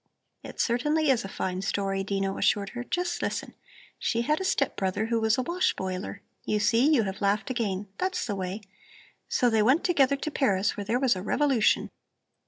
"It certainly is a fine story," Dino assured her; "just listen: She had a step brother who was a wash boiler you see, you have laughed again! That's the way! So they went together to Paris, where there was a revolution."